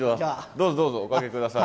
どうぞどうぞお掛け下さい。